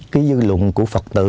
cái dư luận của phật tử